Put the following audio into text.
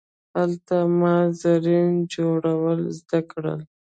هلته ما زین جوړول زده کړل.